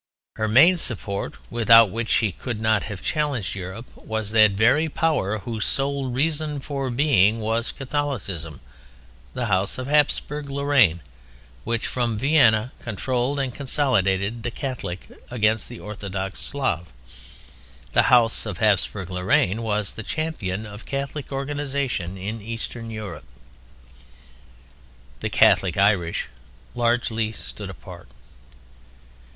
Her main support—without which she could not have challenged Europe—was that very power whose sole reason for being was Catholicism: the House of Hapsburg Lorraine which, from Vienna, controlled and consolidated the Catholic against the Orthodox Slav: the House of Hapsburg Lorraine was the champion of Catholic organization in Eastern Europe. The Catholic Irish largely stood apart.